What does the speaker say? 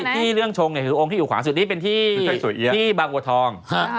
ที่เรื่องชงคือองค์ที่อยู่ขวาสุดนี้เป็นที่บางบัวทอง